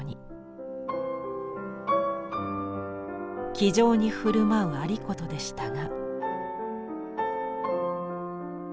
気丈に振る舞う有功でしたが。